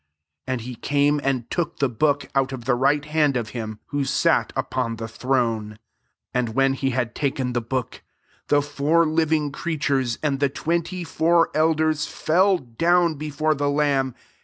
7 And he came and took \jhe book'] out of the right hand of him who sat upon the throne. 8 And when he had taken the book, the four living crea tures, and the twenty four eld ers, fell down before the lamb.